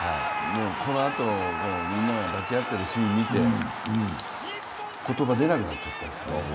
このあと、みんなが抱き合ってるシーン見て、言葉出なくなっちゃいました。